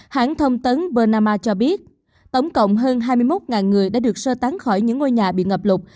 hãng thông tấn bernama cho biết tổng cộng hơn hai mươi một người đã được sơ tán khỏi những ngôi nhà bị ngập lụt